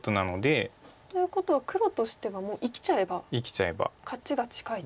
ということは黒としてはもう生きちゃえば勝ちが近いと。